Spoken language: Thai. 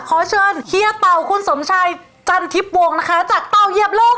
ขอเชิญเฮียเต่าคุณสมชัยจันทิพย์วงนะคะจากเต่าเหยียบโลก